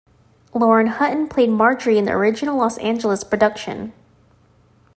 Lauren Hutton played Marjorie in the original Los Angeles production.